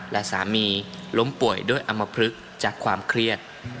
และสามีล้มป่วยด้วยอำมพลึกจากความเครียด